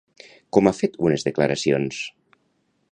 Com ha fet unes declaracions?